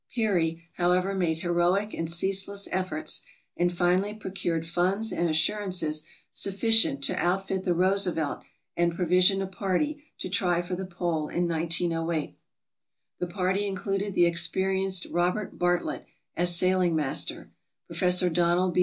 Peary, however, made heroic and ceaseless efforts, and finally pro cured funds and assurances sufficient to outfit the "Roosevelt" and provision a party to try for the pole in 1908. The party 472 TRAVELERS AND EXPLORERS included the experienced Robert Bartlett as sailing master, Prof. Donald B.